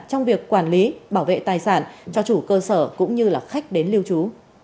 trong việc quản lý bảo vệ tài sản cho chủ cơ sở cũng như khách đến lưu trú